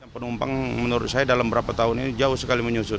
penumpang menurut saya dalam berapa tahun ini jauh sekali menyusut